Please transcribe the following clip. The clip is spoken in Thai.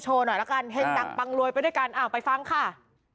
แต่อาจารย์ต้นเขาบอกว่า